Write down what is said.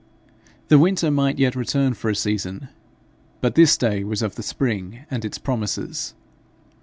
The winter might yet return for a season, but this day was of the spring and its promises.